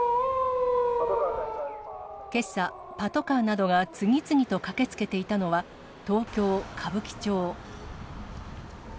けさ、パトカーなどが次々と駆けつけていたのは、東京・歌舞伎町。